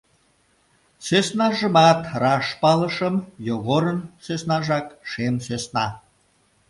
Сӧснажымат раш палышым: Йогорын сӧснажак, шем сӧсна.